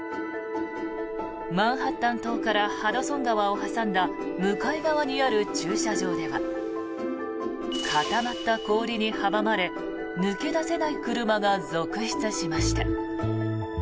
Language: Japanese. マンハッタン島からハドソン川を挟んだ向かい側にある駐車場では固まった氷に阻まれ抜け出せない車が続出しました。